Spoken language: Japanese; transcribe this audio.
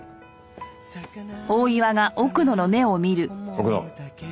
奥野。